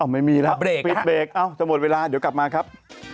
อ้อไม่มีแล้วปิดเบรกจะหมดเวลาเดี๋ยวกลับมาครับ